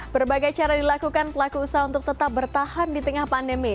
berbagai cara dilakukan pelaku usaha untuk tetap bertahan di tengah pandemi